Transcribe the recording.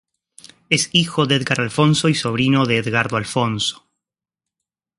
Es hijo de Edgar alfonzo y sobrino de Edgardo Alfonzo.